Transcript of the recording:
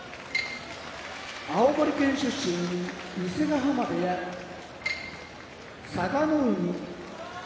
青森県出身伊勢ヶ濱部屋佐田の海